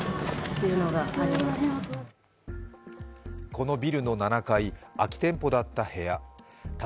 このビルの７階空き店舗だった部屋。